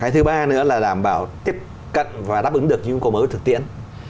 cái thứ ba nữa là đảm bảo tiếp cận và đáp ứng được những công ứng thực tiễn